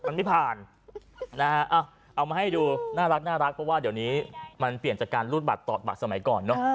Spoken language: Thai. มันไม่ผ่านนะฮะเอามาให้ดูน่ารักเพราะว่าเดี๋ยวนี้มันเปลี่ยนจากการรูดบัตรต่อบัตรสมัยก่อนเนอะ